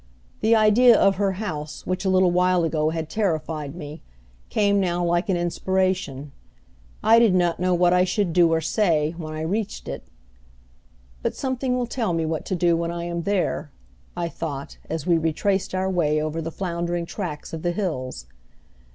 The idea of her house which a little while ago had terrified me, came now like an inspiration. I did not know what I should do or say when I reached it, "But something will tell me what to do when I am there," I thought, as we retraced our way over the floundering track of the hills.